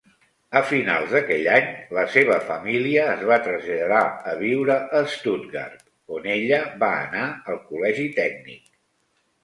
A finals d'aquell any, la seva família es va traslladar a viure a Stuttgart, on ella va anar al Col·legi tècnic.